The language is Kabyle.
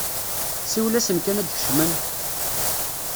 Siwel-asen kan ad d-kecmen!